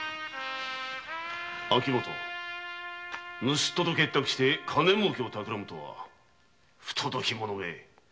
盗っ人と結託して金儲けをたくらむとは不届き者め！